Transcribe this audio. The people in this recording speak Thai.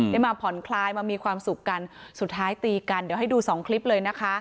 ได้มาผ่อนคลายมามีความสุขกันสุดท้ายตีกันเดี๋ยวให้ดูสองคลิปเลยนะคะ